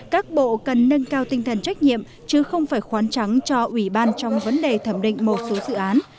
các bộ cần nâng cao tinh thần trách nhiệm chứ không phải khoán trắng cho ủy ban trong vấn đề thẩm định một số dự án